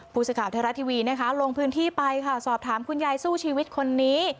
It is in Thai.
ผู้สื่อข่าวไทยรัฐทีวีนะคะลงพื้นที่ไปค่ะสอบถามคุณยายสู้ชีวิตคนนี้